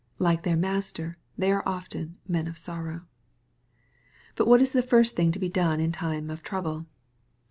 Like their Master, they are often " men of sorrow/' But what is the first thing to be done in time of trouble